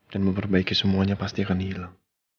dan memperbaiki semuanya pasti akan hilang